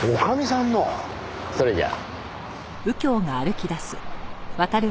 それじゃあ。